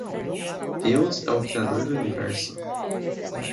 Deus é o Criador do Universo